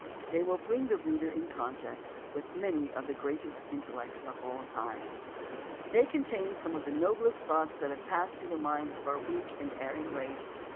They will bring the reader in con tact with many of the greatest intellects of all time. 234 AS TO ANTHOLOGIES They contain some of the noblest thoughts that have passed through the minds of our weak and erring race.